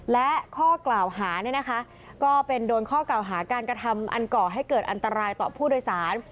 และข้อกล่าวหาเนี่ยนะคะก็เป็นโดนข้อกล่าวหาการกระทำอันก่อให้เกิดอันตรายต่อผู้โดยสาร